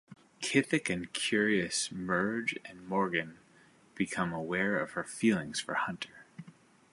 Kithic and Cirrus merge and Morgan becomes aware of her feelings for Hunter.